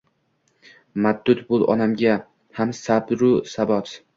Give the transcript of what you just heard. Madad bul onamga ham sabru sabot